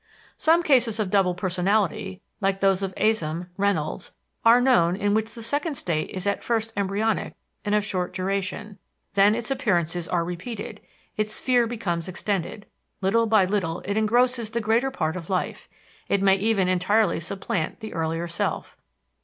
Some cases of double personality (those of Azam, Reynolds) are known in which the second state is at first embryonic and of short duration; then its appearances are repeated, its sphere becomes extended. Little by little it engrosses the greater part of life; it may even entirely supplant the earlier self.